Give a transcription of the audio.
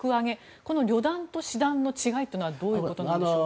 この旅団と師団の違いはどういうことでしょうか。